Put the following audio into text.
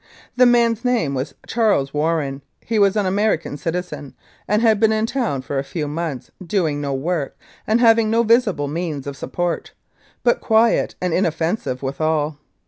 The man's name was Charles Warren ; he was an American citizen, had been in town for a few months, doing no work, and having no visible means of support, but quiet and inoffensive withal.